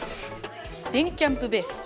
「電キャんぷベース」。